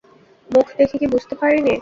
মুখ দেখে কি বুঝতে পারি নে?